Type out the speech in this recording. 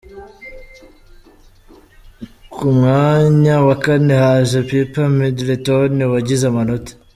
Ku mwanya wa kane haje Pipa Middleton wagize amanota ,